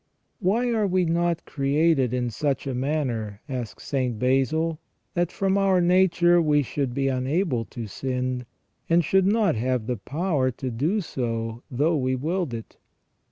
*" Why are we not created in such a manner," asks St. Basil, " that from our nature we should be unable to sin, and should not have the power to do so though we willed it